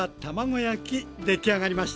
出来上がりました。